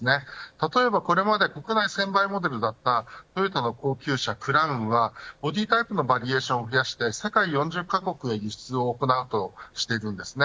例えばこれまで国内専売モデルだったトヨタの高級車クラウンはボディータイプのバリエーションを増やして世界４０カ国へ輸出を行おうとしています。